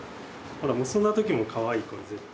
ほら結んだ時もかわいいこれ絶対。